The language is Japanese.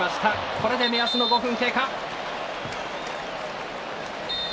これで目安の５分経過。